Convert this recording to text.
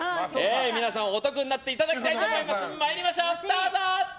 皆さん、お得になっていただきたいと思います。